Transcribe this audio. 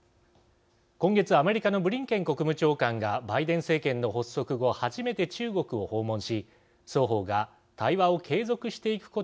今月アメリカのブリンケン国務長官がバイデン政権の発足後初めて中国を訪問し双方が対話を継続していくことで一致しました。